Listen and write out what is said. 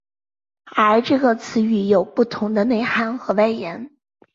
而这个词语有不同的内涵和外延。